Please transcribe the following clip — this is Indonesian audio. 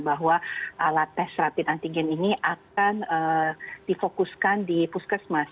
bahwa alat tes rapid antigen ini akan difokuskan di puskesmas